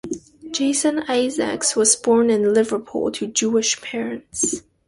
Jason Isaacs was born in Liverpool to Jewish parents.